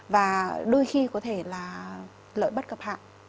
và đôi khi có thể là lợi bất cập